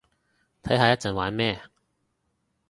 睇下一陣玩咩